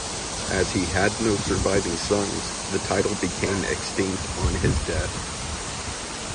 As he had no surviving sons, the title became extinct on his death.